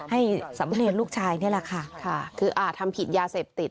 สามเณรลูกชายนี่แหละค่ะคืออ่าทำผิดยาเสพติด